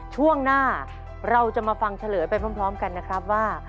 ช่วงหน้าเราจะมาฟังเฉลยไปพร้อมกันนะครับว่า